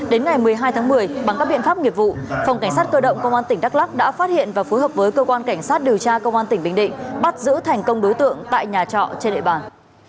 đến ngày một mươi hai tháng một mươi bằng các biện pháp nghiệp vụ phòng cảnh sát cơ động công an tỉnh đắk lắc đã phát hiện và phối hợp với cơ quan cảnh sát điều tra công an tỉnh bình định bắt giữ thành công đối tượng tại nhà trọ trên địa bàn